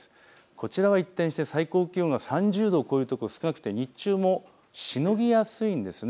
こちらは一転して最高気温が３０度を超える所、少なくて日中も湿りやすいんです。